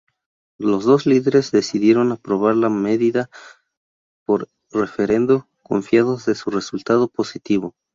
Los dos líderes decidieron aprobar la medida por referendo, confiados de su resultado positivo.